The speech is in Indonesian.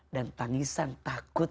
dan tangisan takut